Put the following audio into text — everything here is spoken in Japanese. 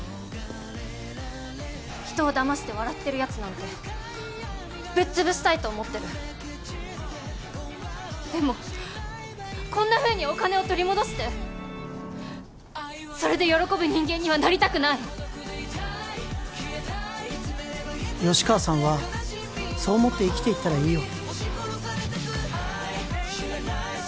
人をだまして笑ってるやつなんてぶっ潰したいと思ってるでもこんなふうにお金を取り戻してそれで喜ぶ人間にはなりたくない吉川さんはそう思って生きていったらいいよ